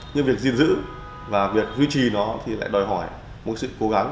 nhưng việc gìn giữ và việc duy trì nó thì lại đòi hỏi một sự cố gắng